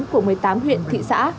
của một mươi tám huyện thị xã